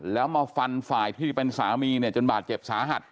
แล้วมาฟันฝ่ายที่เป็นสามีเนี่ยจนบาดเจ็บสาหัส